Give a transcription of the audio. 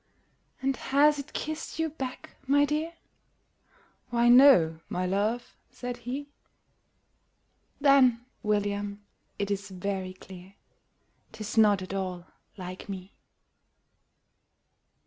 "And has it kissed you back, my dear?" "Why no my love," said he. "Then, William, it is very clear 'Tis not at all LIKE ME!"